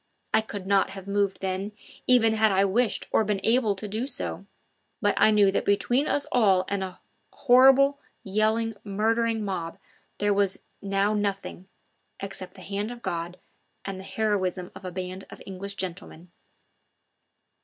I could not have moved then, even had I wished or been able to do so; but I knew that between us all and a horrible, yelling, murdering mob there was now nothing except the hand of God and the heroism of a band of English gentlemen.